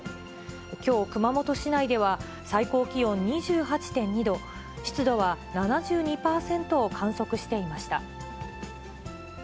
きょう、熊本市内では最高気温２８．２度、湿度は７２％を観測していました。